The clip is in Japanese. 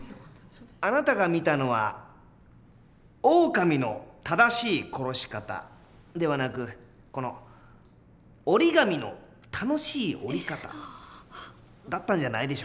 あなたが見たのは「オオカミのただしいころし方」ではなくこの「オリガミのたのしいおり方」だったんじゃないでしょうか？